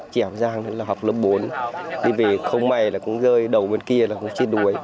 chị hà giang là học lớp bốn đi về không may là cũng rơi đầu bên kia là cũng trên đuổi